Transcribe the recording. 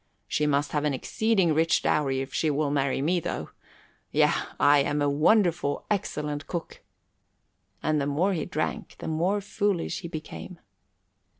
She must have an exceeding rich dowry if she will marry me, though. Yea, I am a wonderful excellent cook." And the more he drank the more foolish he became.